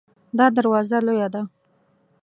دا دروازه لویه ده